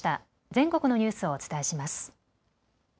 全国のニュースお伝えします。